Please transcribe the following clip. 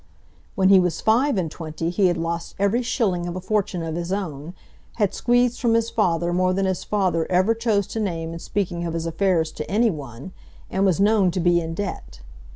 When he was five and twenty he had lost every shilling of a fortune of his own, had squeezed from his father more than his father ever chose to name in speaking of his affairs to any one, and was known to be in debt.